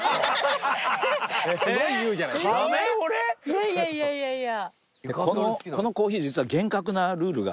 いやいやいやいやいや。